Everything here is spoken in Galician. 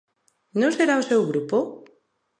¿Non será o seu grupo?